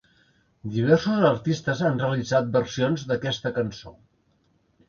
Diversos artistes han realitzat versions d'aquesta cançó.